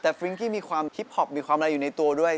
แต่ฟริ้งกี้มีความคิปพอปมีความอะไรอยู่ในตัวด้วย